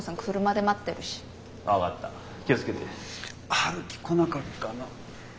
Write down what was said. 陽樹来なかったな。